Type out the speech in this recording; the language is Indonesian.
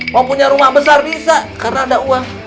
mau punya rumah besar bisa karena ada uang